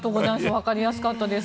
わかりやすかったです。